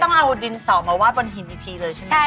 ต้องเอาดินสอมาวาดบนหินอีกทีเลยใช่ไหม